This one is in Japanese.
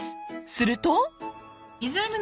［すると］